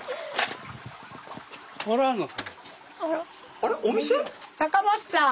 あらお店？